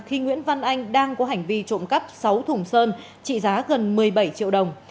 khi nguyễn văn anh đang có hành vi trộm cắp sáu thùng sơn trị giá gần một mươi bảy triệu đồng